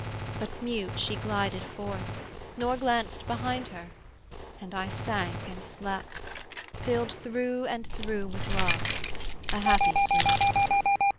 but mute she glided forth, Nor glanced behind her, and I sank and slept, Filled through and through with Love, a happy sleep.